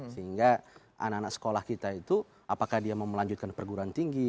sehingga anak anak sekolah kita itu apakah dia mau melanjutkan perguruan tinggi